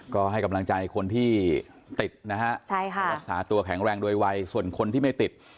ก็ให้กำลังใจคนที่ติดนะฮะรักษาตัวแข็งแรงโดยวัยส่วนคนที่ไม่ติด